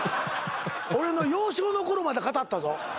俺の幼少のころまで語ったぞ。